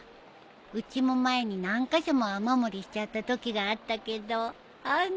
うちも前に何カ所も雨漏りしちゃったときがあったけど案外面白かったよ。